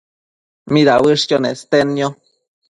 midauësh nestednio?